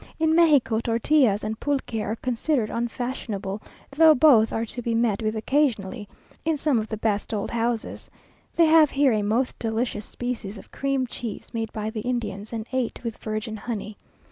In Mexico, tortillas and pulque are considered unfashionable, though both are to be met with occasionally, in some of the best old houses. They have here a most delicious species of cream cheese made by the Indians, and ate with virgin honey.